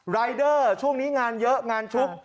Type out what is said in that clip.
รายเดอร์ช่วงนี้งานเยอะงานชุก